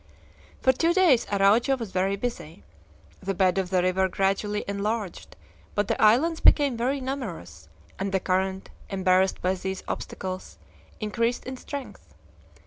For two days Araujo was very busy. The bed of the river gradually enlarged, but the islands became more numerous, and the current, embarrassed by these obstacles, increased in strength.